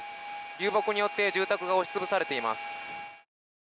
流木によって住宅が押し潰されています。